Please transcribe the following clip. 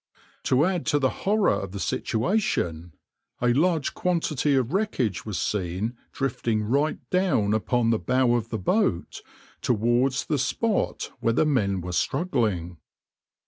To add to the horror of the situation, a large quantity of wreckage was seen drifting right down upon the bow of the boat towards the spot where the men were struggling.